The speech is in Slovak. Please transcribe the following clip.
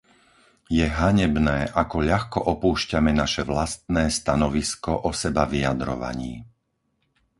Je hanebné ako ľahko opúšťame naše vlastné stanovisko o sebavyjadrovaní.